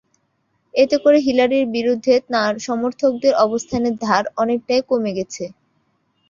এতে করে হিলারির বিরুদ্ধে তাঁর সমর্থকদের অবস্থানের ধার অনেকটাই কমে গেছে।